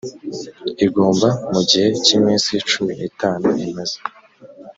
igomba mu gihe cy iminsi cumi n itanu imaze